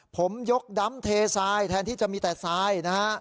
ผมยกดำเททรายแทนที่จะมีแต่ทรายนะฮะ